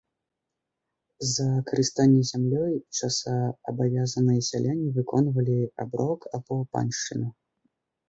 За карыстанне зямлёй часоваабавязаныя сяляне выконвалі аброк або паншчыну.